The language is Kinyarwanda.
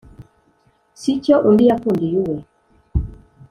sicyo undi yakundiye uwe,